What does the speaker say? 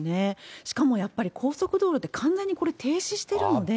しかも、やっぱり高速道路で完全にこれ、停止してるので。